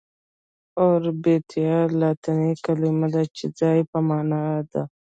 اوربيتال لاتيني کليمه ده چي د ځالي په معنا ده .